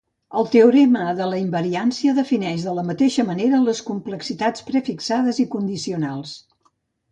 El teorema de la invariància defineix de la mateixa manera les complexitats prefixades i condicionals.